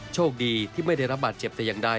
โชคดีที่ไม่ได้รับบาดเจ็บแต่อย่างใด